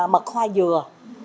mật hoa dừa